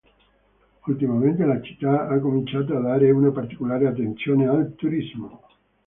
Ultimamente la città ha cominciato a dare una particolare attenzione al turismo.